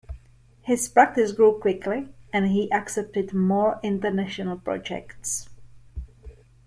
His practice grew quickly and he accepted more international projects.